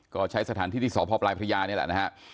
ก็ใช้สถานที่ที่สพปลายพระยานี่แหละนะฮะ